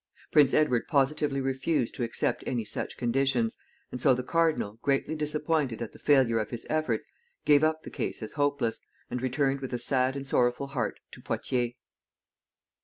Prince Edward positively refused to accept any such conditions, and so the cardinal, greatly disappointed at the failure of his efforts, gave up the case as hopeless, and returned with a sad and sorrowful heart to Poictiers.